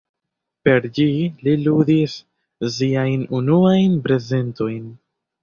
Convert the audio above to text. Per ĝi li ludis siajn unuajn prezentojn.